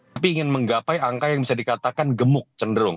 tapi ingin menggapai angka yang bisa dikatakan gemuk cenderung